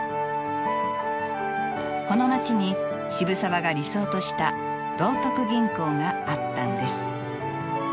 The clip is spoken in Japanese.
この町に渋沢が理想とした道徳銀行があったんです。